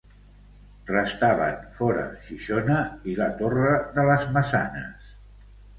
Restaven fora Xixona i La Torre de les Maçanes.